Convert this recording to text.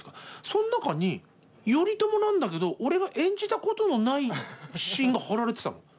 その中に頼朝なんだけど俺が演じたことのないシーンが貼られてたの。